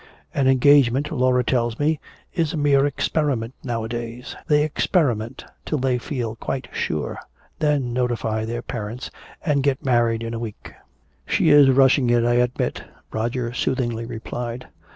An engagement, Laura tells me, is 'a mere experiment' nowadays. They 'experiment' till they feel quite sure then notify their parents and get married in a week." "She is rushing it, I admit," Roger soothingly replied.